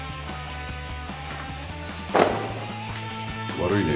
悪いね。